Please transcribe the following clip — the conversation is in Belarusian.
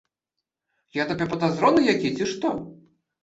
Я табе падазроны які ці што?